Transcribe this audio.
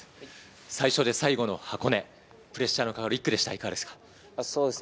最初で最後の箱根、プレッシャーのかかる１区でしたね。